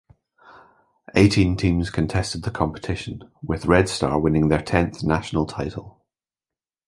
Eighteen teams contested the competition, with Red Star winning their tenth national title.